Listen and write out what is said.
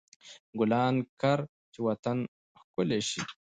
ګلان کر، چې وطن ښکلی شي.